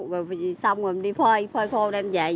rồi xong rồi đi phơi phơi khô đem về